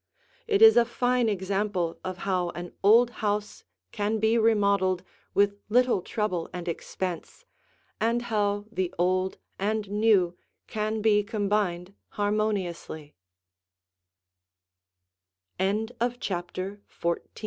It is a fine example of how an old house can be remodeled with little trouble and expense, and how the old and new can be combined harm